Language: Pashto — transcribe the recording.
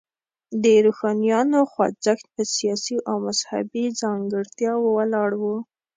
د روښانیانو خوځښت په سیاسي او مذهبي ځانګړتیاوو ولاړ و.